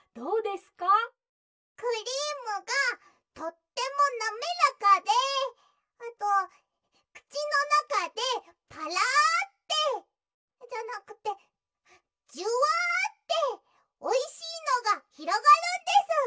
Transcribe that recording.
「クリームがとってもなめらかであとくちのなかでパラってじゃなくてジュワっておいしいのがひろがるんです」。